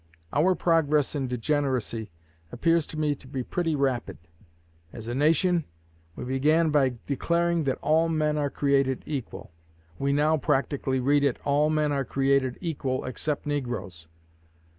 Our progress in degeneracy appears to me to be pretty rapid. As a nation we began by declaring that 'all men are created equal.' We now practically read it 'all men are created equal, except negroes.'